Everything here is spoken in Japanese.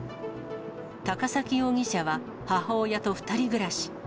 高崎容疑者は母親と２人暮らし。